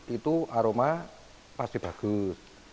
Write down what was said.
itu aroma pasti bagus